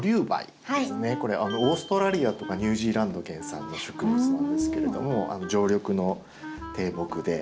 これオーストラリアとかニュージーランド原産の植物なんですけれども常緑の低木で。